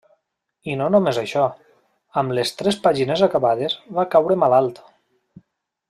I no només això, amb les tres pàgines acabades, va caure malalt.